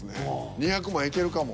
２００万いけるかも。